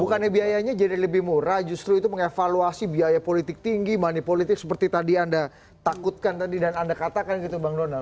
bukannya biayanya jadi lebih murah justru itu mengevaluasi biaya politik tinggi money politik seperti tadi anda takutkan tadi dan anda katakan gitu bang donald